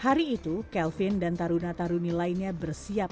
hari itu kelvin dan taruna taruni lainnya bersiap